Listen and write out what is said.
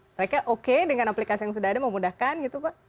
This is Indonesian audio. mereka oke dengan aplikasi yang sudah ada memudahkan gitu pak